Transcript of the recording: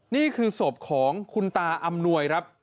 นี่คือศพของคุณตาอำนวยครับ